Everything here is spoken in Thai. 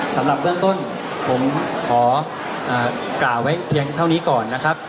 สำหรับเบื้องต้นผมขอกล่าวไว้เพียงเท่านี้ก่อนนะครับ